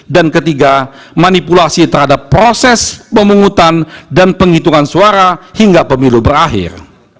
dan ketiga manipulasi terhadap proses pemungutan dan penghitungan suara hingga pemilu berakhir